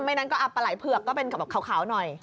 ไม่งั้นก็ปลาไหล่เผือกก็เป็นแบบขาวหน่อย